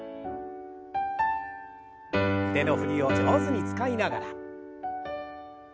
腕の振りを上手に使いながら。